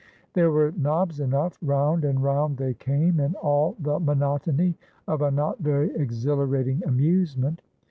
There were nobs enough. Round and round they came, in all the monotony of a not very exhilarating amusement.